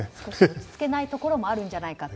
落ち着けないところもあるんじゃないかと。